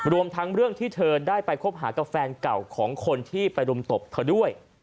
รวมทั้งเรื่องที่เธอได้ไปคบหากับแฟนเก่าของคนที่ไปรุมตบเธอด้วย